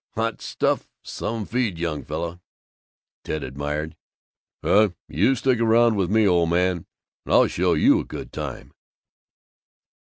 "Hot stuff! Some feed, young fella!" Ted admired. "Huh! You stick around with me, old man, and I'll show you a good time!"